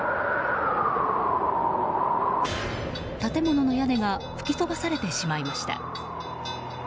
建物の屋根が吹き飛ばされてしまいました。